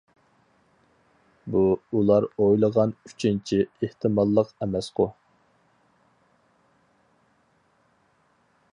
بۇ ئۇلار ئويلىغان ئۈچىنچى ئېھتىماللىق ئەمەسقۇ.